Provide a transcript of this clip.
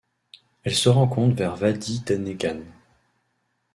Elle se rencontre vers Wadi Danegan.